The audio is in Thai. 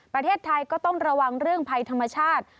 ประเทศไทยก็ต้องระวังเรื่องภัยธรรมชาติ